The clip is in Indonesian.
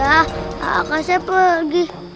ya a a kaseb pergi